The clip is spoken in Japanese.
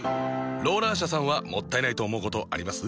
ローラー車さんはもったいないと思うことあります？